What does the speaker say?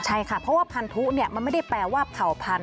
ใช่ค่ะเพราะว่าพันธุมันไม่ได้แปลว่าเผ่าพันธ